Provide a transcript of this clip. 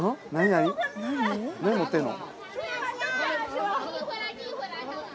何持ってんの？